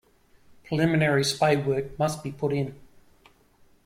Preliminary spadework must be put in.